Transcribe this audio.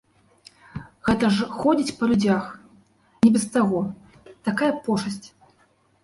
Гэта ж ходзіць па людзях, не без таго, такая пошасць.